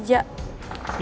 supaya ibu bisa fokus kerja